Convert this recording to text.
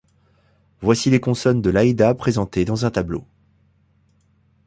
Voici les consonnes de l'haïda présentées dans un tableau.